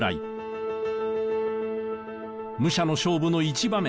武者の勝負の一場面。